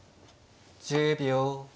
１０秒。